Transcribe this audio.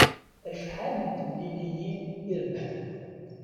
Acḥal n temliliyin i rebḥen?